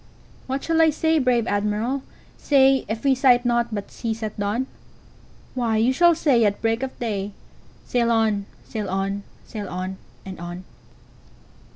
"What shall I say, brave Admiral, say, If we sight naught but seas at dawn?""Why, you shall say at break of day,'Sail on! sail on! sail on! and on!